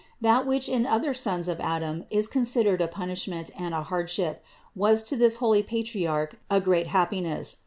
That which in other sons of Adam is con sidered a punishment and a hardship was to this holy Patriarch a great happiness.